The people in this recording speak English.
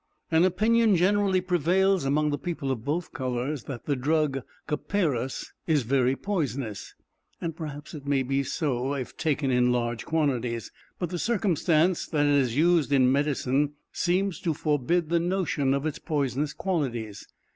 An opinion generally prevails among the people of both colors, that the drug copperas is very poisonous and perhaps it may be so, if taken in large quantities but the circumstance, that it is used in medicine, seems to forbid the notion of its poisonous qualities.